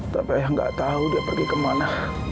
tapi ayah nggak tahu dia pergi kemana